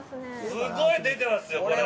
すごい出てますよこれ。